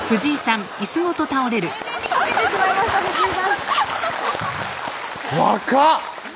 年齢にこけてしまいました藤井さん若っ！